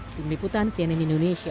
tim liputan cnn indonesia